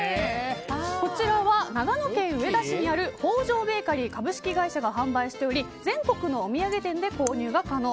こちらは長野県上田市にある豊上ベーカリー株式会社が販売しており、全国のお土産店で購入が可能。